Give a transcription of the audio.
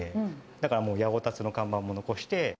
だからもう、八百辰の看板も残して。